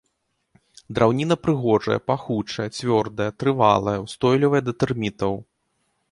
Драўніна прыгожая, пахучая, цвёрдая, трывалая, устойлівая да тэрмітаў.